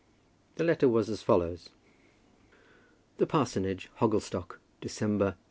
The letter was as follows: The Parsonage, Hogglestock, Dec. 186